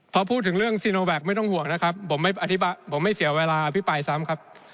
พอพูดถึงเรื่องซีโนแวคไม่ต้องห่วงนะครับผมไม่อธิบายผมไม่เสียเวลาอภิปรายซ้ำครับ